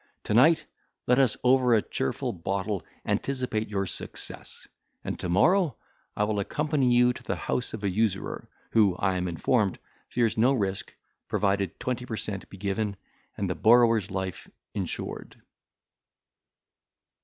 To night let us over a cheerful bottle anticipate your success; and to morrow I will accompany you to the house of an usurer, who, I am informed, fears no risk, provided twenty per cent be given, and the borrower's life insured."